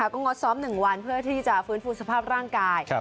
ก็งดซ้อม๑วันเพื่อที่จะฟื้นฟูสภาพร่างกาย